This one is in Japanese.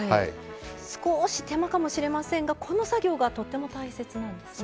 少し手間かもしれませんがこの作業がとっても大切なんですね。